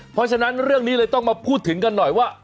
เพราะฉะนั้นเรื่องนี้เลยต้องมาพูดถึงกันหน่อยว่า